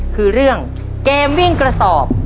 คือเรื่องเกมวิ่งกระสอบ